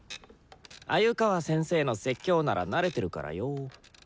鮎川先生の説教なら慣れてるからよ。